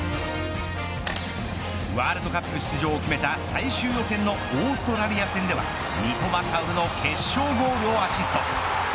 ワールドカップ出場を決めた最終予選のオーストラリア戦では三笘薫の決勝ゴールをアシスト。